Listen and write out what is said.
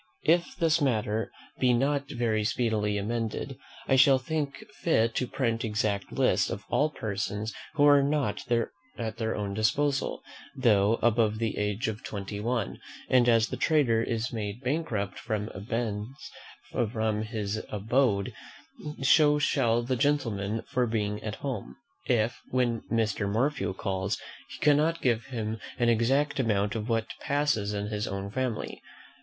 If this matter be not very speedily amended, I shall think fit to print exact lists of all persons who are not at their own disposal, though above the age of twenty one; and as the trader is made bankrupt for absence from his abode, so shall the gentleman for being at home, if, when Mr. Morphew calls, he cannot give him an exact account of what passes in his own family.